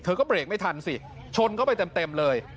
ก็เบรกไม่ทันสิชนเข้าไปเต็มเลย